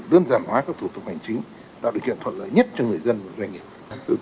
đơn giản hóa các thủ tục hành chính tạo điều kiện thuận lợi nhất cho người dân và doanh nghiệp